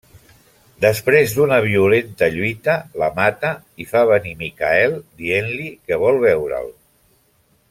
Després d'una violenta lluita, la mata i fa venir Michael dient-li que vol veure'l.